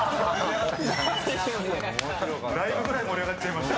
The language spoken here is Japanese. ライブぐらい盛り上がっちゃいましたけども。